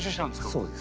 そうです。